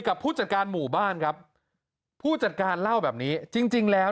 กับผู้จัดการหมู่บ้านครับผู้จัดการเล่าแบบนี้จริงจริงแล้ว